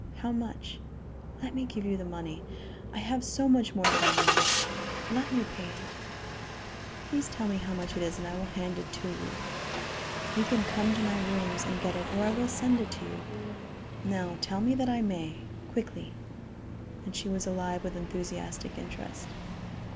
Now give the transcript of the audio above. How much? Let me give you the money. I have so much more than I need. Let me pay it. Please tell me how much it is and I will hand it to you. You can come to my rooms and get it or I will send it to you. Now tell me that I may. Quickly." And she was alive with enthusiastic interest.